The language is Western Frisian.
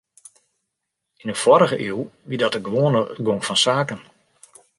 Yn de foarrige iuw wie dat de gewoane gong fan saken.